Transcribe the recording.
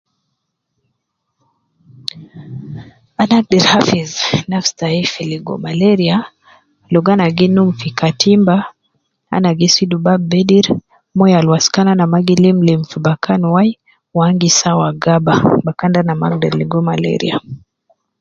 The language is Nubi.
Ana agder hafiz nafsi tayi fi ligo malaria logo ana gi num fi katimba, ana gi sidu babu bedir , moyo al waskan ana ma gi limu llimu fi bakan wai wu ana gi sawa gaba, bakan de ana mma agder ligo malaria.